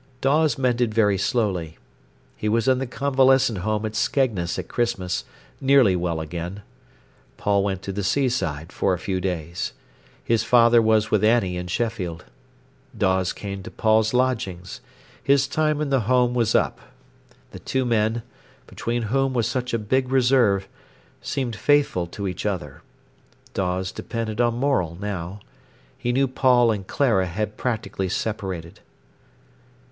Dawes mended very slowly. He was in the convalescent home at Skegness at Christmas, nearly well again. Paul went to the seaside for a few days. His father was with Annie in Sheffield. Dawes came to Paul's lodgings. His time in the home was up. The two men, between whom was such a big reserve, seemed faithful to each other. Dawes depended on Morel now. He knew Paul and Clara had practically separated.